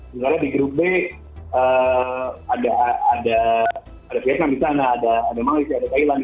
karena di grup b ada vietnam di sana ada malaysia ada thailand